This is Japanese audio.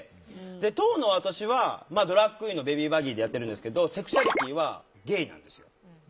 当の私はドラァグクイーンのベビー・バギーでやってるんですけどセクシュアリティーはゲイなんですよ。